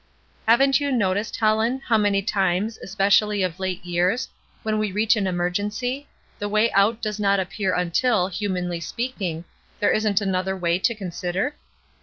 " Haven't you noticed, Helen, how many times, especially of late years, when we reach an emer gency, the way out does not appear until, humanly speaking, there isn't another way to consider?"